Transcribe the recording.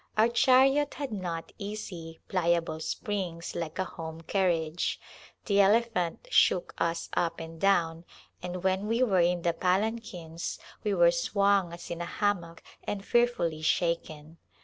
Our chariot had not easy, pliable springs like a home carriage ; the elephant shook us up and down and when we were in the palanquins we were swung as in a hammock and fearfully shaken.